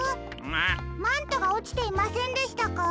マントがおちていませんでしたか？